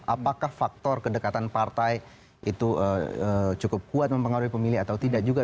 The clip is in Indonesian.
apakah faktor kedekatan partai itu cukup kuat mempengaruhi pemilih atau tidak juga